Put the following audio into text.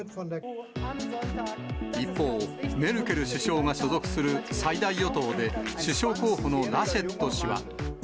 一方、メルケル首相が所属する最大与党で首相候補のラシェット氏は。